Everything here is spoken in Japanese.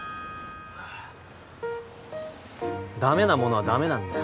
ダメなものはダメなんだよ